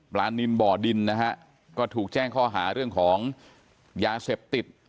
ลานินบ่อดินนะฮะก็ถูกแจ้งข้อหาเรื่องของยาเสพติด